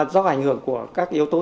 do ảnh hưởng của các yếu tố